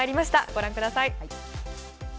ご覧ください。